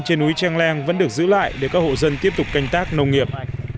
trên núi trang lang vẫn được giữ lại để các hộ dân tiếp tục canh tác nông nghiệp